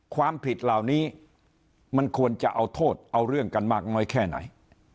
ความผิดเหล่านี้มันควรจะเอาโทษเอาเรื่องกันมากน้อยแค่ไหน